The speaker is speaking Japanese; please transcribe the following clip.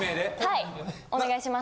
はいお願いします。